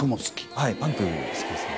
はいパンク好きですね